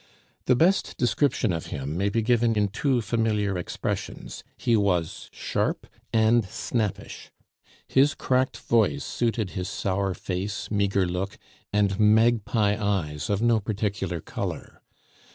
The best description of him may be given in two familiar expressions he was sharp and snappish. His cracked voice suited his sour face, meagre look, and magpie eyes of no particular color.